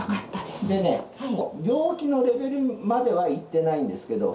でね、病気のレベルまではいってないんですけど